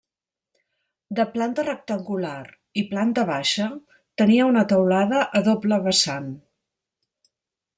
De planta rectangular i planta baixa, tenia una teulada a doble vessant.